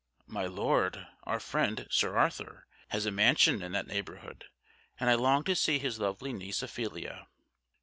"My Lord, our friend, Sir Arthur, has a mansion in that neigbourhood, and I long to see his lovely niece Ophelia."